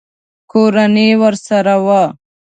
کورنۍ ورسره وه.